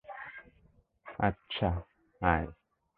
আচ্ছা, আয়।